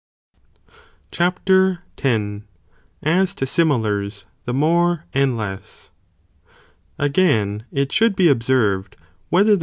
Cuapr. X.—As to Similars, the more and less. Again, (it should be observed, ) whether the same Ast Top.